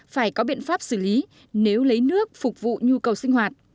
phải có biện pháp xử lý nếu lấy nước phục vụ nhu cầu sinh hoạt